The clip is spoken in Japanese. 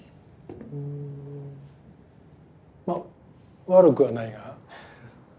まあ悪くはないが。